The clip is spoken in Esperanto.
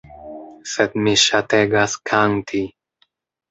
Sed mi ŝategas kanti.